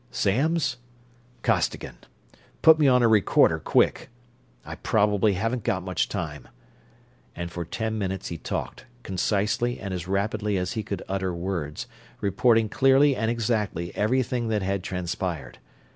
"Samms? Costigan. Put me on a recorder, quick I probably haven't got much time," and for ten minutes he talked, concisely and as rapidly as he could utter words, reporting clearly and exactly everything that had transpired.